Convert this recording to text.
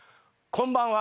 こんばんは。